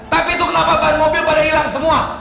tapi itu kenapa bahan mobil pada hilang semua